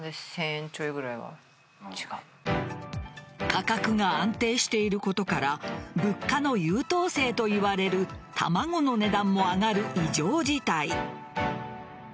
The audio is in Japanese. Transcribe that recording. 価格が安定していることから物価の優等生といわれる卵の値段も上がる異常事態。